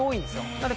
なので